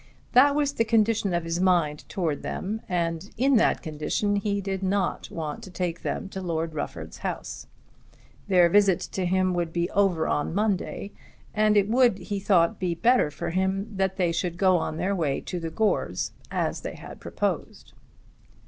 That was the condition of his mind towards them, and in that condition he did not want to take them to Lord Rufford's house. Their visit to him would be over on Monday, and it would he thought be better for him that they should then go on their way to the Gores as they had proposed.